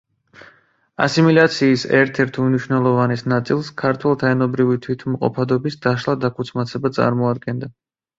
ასიმილაციის ერთ–ერთ უმნიშვნელოვანეს ნაწილს ქართველთა ენობრივი თვითმყოფადობის დაშლა–დაქუცმაცება წარმოადგენდა.